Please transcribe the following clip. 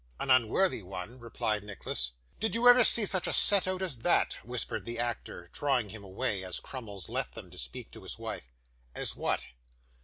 'An unworthy one,' replied Nicholas. 'Did you ever see such a set out as that?' whispered the actor, drawing him away, as Crummles left them to speak to his wife. 'As what?